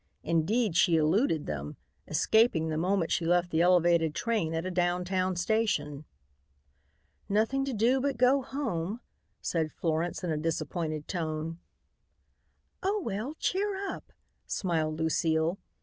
Indeed, she eluded them, escaping the moment she left the elevated train at a down town station. "Nothing to do but go home," said Florence in a disappointed tone. "Oh, well, cheer up," smiled Lucile.